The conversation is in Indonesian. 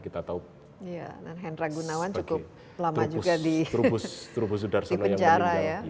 kita tahu sebagai trubus udarsuna yang meninggal